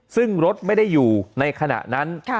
ซึ่งรถไม่ได้อยู่ในขณะนั้น